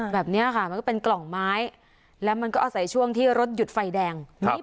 แบบนี้ฐะมันก็เป็นกล่องไม้และมันก็อาศัยช่วงที่รถหยุดไฟแดงนี้ไปเลย๒ตัวค่ะ